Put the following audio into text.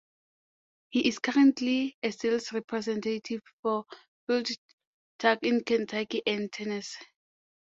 He is currently a sales representative for FieldTurf in Kentucky and Tennessee.